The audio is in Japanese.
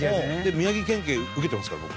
宮城県警受けてますから僕。